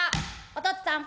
「おとっつぁん。